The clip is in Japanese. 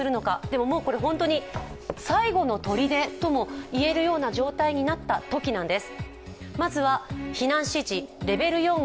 もうこれ本当に最後のとりでともいえるような状態になったときなんです。